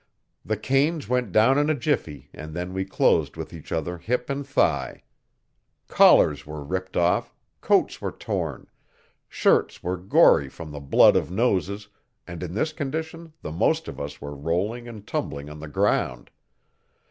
The canes went down in a jiffy and then we closed with each other hip and thigh. Collars were ripped off, coats were torn, shirts were gory from the blood of noses, and in this condition the most of us were rolling and tumbling on the ground.